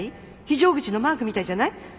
非常口のマークみたいじゃない？